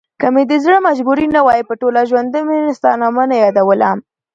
که مې دزړه مجبوري نه وای په ټوله ژوندمي ستا نامه نه يادوله